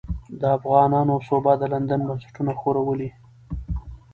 د افغانانو سوبه د لندن بنسټونه ښورولې.